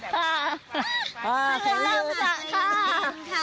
ร้องมาะอย่าเย็นค่ะ